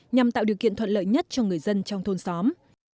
nhằm tạo điều kiện thuận lợi nhất cho người dân trong thôn xóm